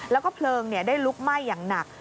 แล้วก็เพลิงได้ลุกไหม้อย่างหนัก